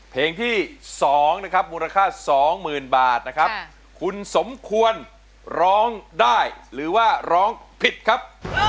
เพลงที่๒นะครับมูลค่าสองหมื่นบาทนะครับคุณสมควรร้องได้หรือว่าร้องผิดครับ